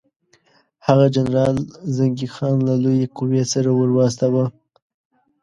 هغه جنرال زنګي خان له لویې قوې سره ورواستاوه.